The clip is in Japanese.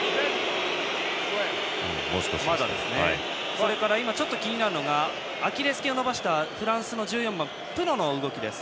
それからちょっと今気になるのがアキレスけんを伸ばしたフランスのプノの動きです。